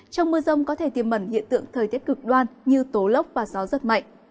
trong mưa rông có thể tiêm bẩn hiện tượng thời tiết cực đoan như tố lốc và gió rất mạnh